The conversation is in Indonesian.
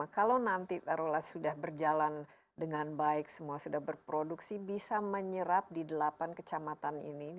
kalau nanti taruhlah sudah berjalan dengan baik semua sudah berproduksi bisa menyerap di delapan kecamatan ini